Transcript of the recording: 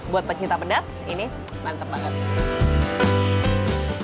buat pecinta pedas ini mantep banget